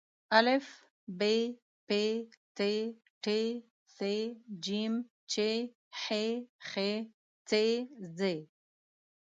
ا ب پ ت ټ ث ج چ ح خ څ ځ